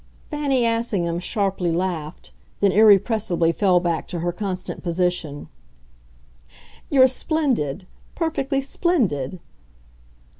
Fanny Assingham sharply laughed, then irrepressibly fell back to her constant position. "You're splendid perfectly splendid."